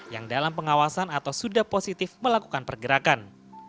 yang dalam pengawasan atau sudah positif melakukan pergerakan